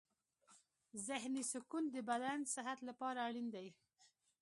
ذهني سکون د بدن صحت لپاره اړین دی.